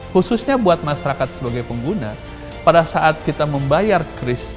khususnya buat masyarakat sebagai pengguna pada saat kita membayar kris